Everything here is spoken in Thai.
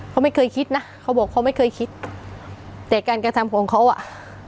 เขาไม่เคยคิดนะเขาบอกเขาไม่เคยคิดแต่การกระทำของเขาอ่ะ